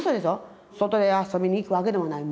外へ遊びに行くわけでもない。